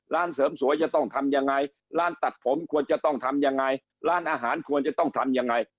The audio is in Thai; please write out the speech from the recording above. ร้านเสริมสวยจะต้องทำยังไงร้านตัดผมควรจะต้องทำยังไงร้านอาหารควรจะต้องทำยังไง